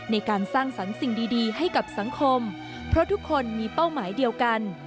ในการสร้างสรรค์สิ่งดีให้กับสังคมเพราะทุกคนมีเป้าหมายเดียวกัน